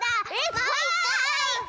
もう１かい！